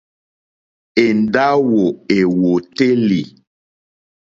Èndáwò èwòtélì.